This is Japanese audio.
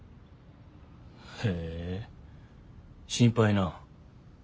へえ心配なぁ。